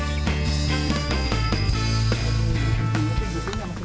di tempat ini